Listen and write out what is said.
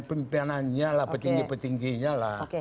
pimpinanannya lah petinggi petingginya lah